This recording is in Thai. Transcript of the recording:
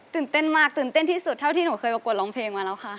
เต้นมากตื่นเต้นที่สุดเท่าที่หนูเคยประกวดร้องเพลงมาแล้วค่ะ